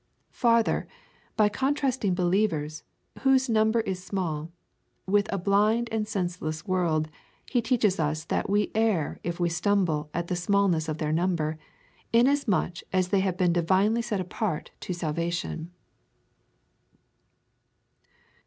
Farther, by contrasting believers, whose number is small, with a blind and senseless world, he teaches us that we err if we stumble at the smallness of their number, inas much as they have been divinely set apart to salvation.